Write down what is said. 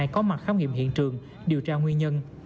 có mặt khám nghiệm hiện trường điều tra nguyên nhân